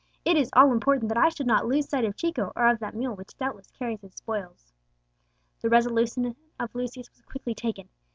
It is all important that I should not lose sight of Chico, or of that mule which doubtless carries his spoils." The resolution of Lucius was quickly taken.